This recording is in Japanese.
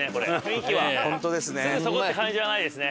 すぐそこって感じじゃないですね。